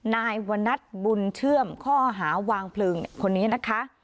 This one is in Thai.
นายวนัทบุญเชื่อมข้อหาวางเพลิงคนนี้นะคะ